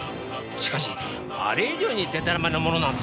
しかしあれ以上にでたらめなものなんて。